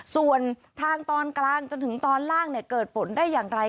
ส่วนทางตอนกลางจนถึงตอนล่างเกิดฝนได้อย่างไร